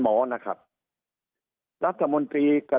สุดท้ายก็ต้านไม่อยู่